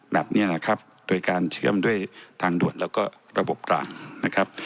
แบบนี้แหละครับโดยการเชื่อมด้วยทางด่วนแล้วก็ระบบกลางนะครับ